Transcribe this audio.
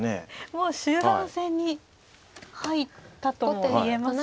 もう終盤戦に入ったとも言えますよね。